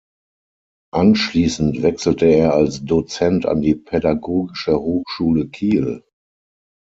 Anschließend wechselte er als Dozent an die Pädagogische Hochschule Kiel.